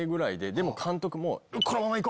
でも監督も。